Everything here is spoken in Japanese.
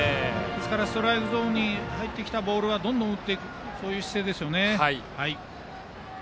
ストライクゾーンに入ってきたボールをどんどん打っていく姿勢ですよね。